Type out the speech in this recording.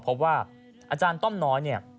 พบว่าอาจารย์ต้อมน้อยเนี่ย